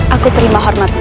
aku akan menang